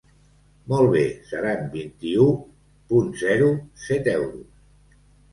Molt bé, seran vint-i-u punt zero set euros.